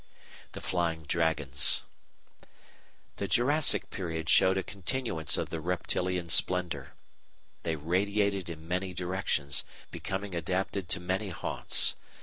The Flying Dragons The Jurassic period showed a continuance of the reptilian splendour. They radiated in many directions, becoming adapted to many haunts.